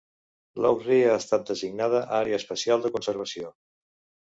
Lough Ree ha estat designada Àrea Especial de Conservació.